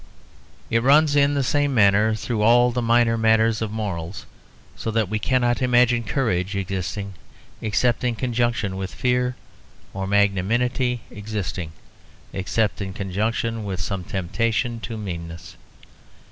It runs, in the same manner, through all the minor matters of morals, so that we cannot imagine courage existing except in conjunction with fear, or magnanimity existing except in conjunction with some temptation to meanness.